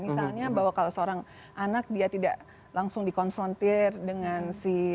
misalnya bahwa kalau seorang anak dia tidak langsung dikonfrontir dengan si